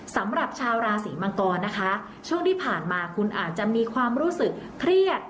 สำหรับชาวราศีมังกรนะคะช่วงที่ผ่านมาคุณอาจจะมีความรู้สึกเครียด